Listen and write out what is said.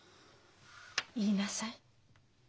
言いなさい。